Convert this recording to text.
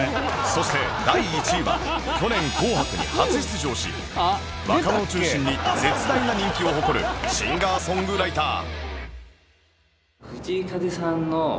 そして第１位は去年『紅白』に初出場し若者中心に絶大な人気を誇るシンガーソングライター